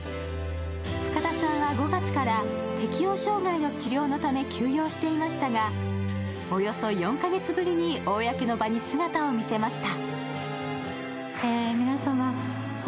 深田さんは５月から適応障害の治療のため休養していましたが、およそ４カ月ぶりに公の場に姿を見せました。